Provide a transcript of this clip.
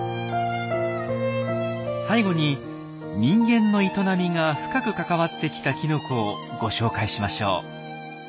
最後に人間の営みが深く関わってきたきのこをご紹介しましょう。